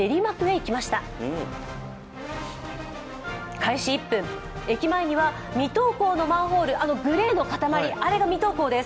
開始１分、駅前には未投稿のマンホール、グレーのかたまり、あれが未投稿です。